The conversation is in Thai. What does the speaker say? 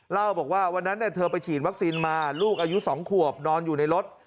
เล่าบอกว่าวันนั้นเธอไปฉีดวัคซีนมาลูกอายุ๒ขวบนอนอยู่ในรถ